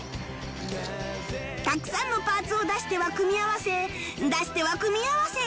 たくさんのパーツを出しては組み合わせ出しては組み合わせ